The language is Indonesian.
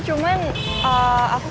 cuman aku kayaknya